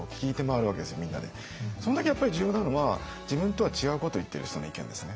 その時やっぱり重要なのは自分とは違うこと言ってる人の意見ですね。